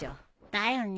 だよね。